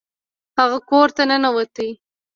هغه کور ته ننوت.